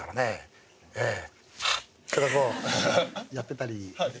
「ハッ」とかこうやってたり。